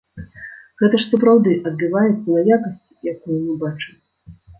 Гэта ж сапраўды адбіваецца на якасці, якую мы бачым.